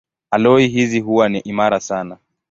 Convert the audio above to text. Aloi hizi huwa ni imara sana.